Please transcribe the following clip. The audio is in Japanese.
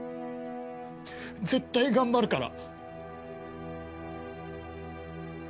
絶対頑張るから。